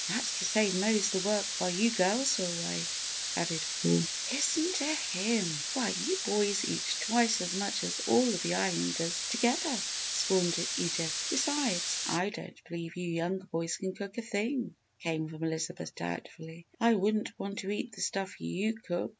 "That's to save Mose the work while you girls are away!" added Paul. "Listen to him! Why, you boys eat twice as much as all of the Islanders together!" scorned Edith. "Besides, I don't believe you younger boys can cook a thing!" came from Elizabeth, doubtfully. "I wouldn't want to eat the stuff you cook!"